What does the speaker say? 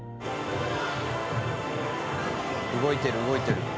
動いてる動いてる。